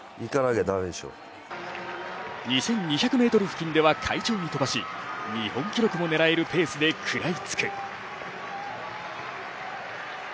２２００ｍ付近では快調に飛ばし日本記録も狙えるペースで食らいつく。